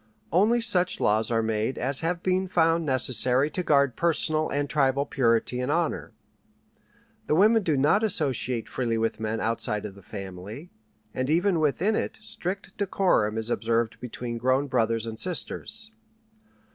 Only such laws are made as have been found necessary to guard personal and tribal purity and honor. The women do not associate freely with men outside of the family, and even within it strict decorum is observed between grown brothers and sisters.